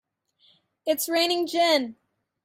It's raining gin!